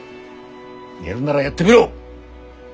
やるならやってみろ。